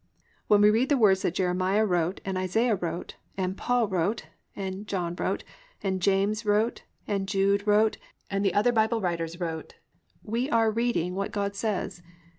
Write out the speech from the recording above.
When we read the words that Jeremiah wrote and Isaiah wrote and Paul wrote and John wrote and James wrote and Jude wrote and the other Bible writers wrote, we are reading what God says.